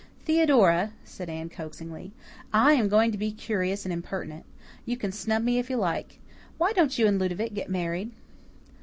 "Theodora," said Anne coaxingly, "I am going to be curious and impertinent. You can snub me if you like. Why don't you and Ludovic get married?"